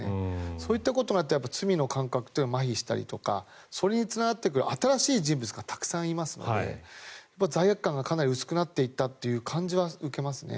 そういったことがあると罪の感覚というのがまひしたりとかそれにつながってくる新しい人物がたくさんいますので罪悪感がかなり薄くなっていったという感じは受けますね。